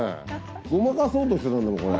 ごまかそうとしてたんだもんこれ。